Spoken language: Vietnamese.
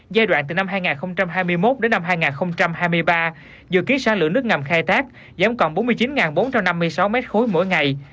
giai đoạn từ năm hai nghìn hai mươi một đến năm hai nghìn hai mươi ba dự kiến sản lượng nước ngầm khai thác giảm còn bốn mươi chín bốn trăm năm mươi sáu m ba mỗi ngày